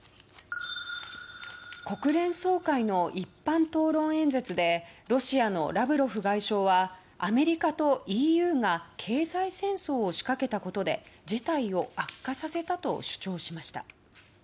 国連総会の一般討論演説でロシアのラブロフ外相はアメリカとＥＵが経済戦争を仕掛けたことで事態を悪化させたと主張しました。